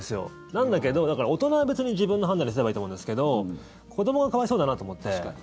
なんだけどだから大人は別に自分の判断ですればいいと思うんですけど子どもが可哀想だなと思って。